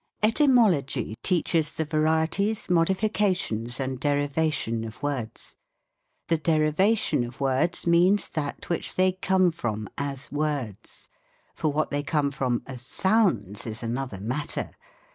Etymology teaches the varieties, modifications, and derivation of words. The derivation of words means that which they come from as toards j for what they come from as sounds, is another matter.